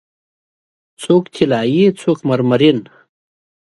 څوک طلایې، څوک مرمرین